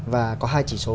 và có hai chỉ số